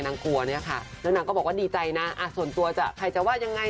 นางกลัวเนี่ยค่ะนางก็บอกว่าดีใจนะส่วนตัวที่ถ้าใครจะว่ายังไง